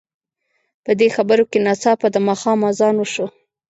په دې خبرو کې ناڅاپه د ماښام اذان وشو.